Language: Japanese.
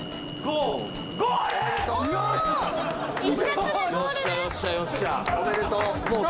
おめでとう。